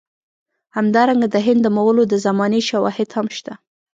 همدارنګه د هند د مغولو د زمانې شواهد هم شته.